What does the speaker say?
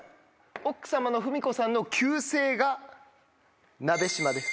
奥様の文子さんの旧姓が鍋島です。